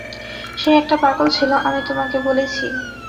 সে একটা পাগল ছিল, আমি তোমাকে বলেছি।